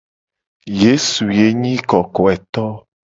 Yesu ye nyi kokoeto.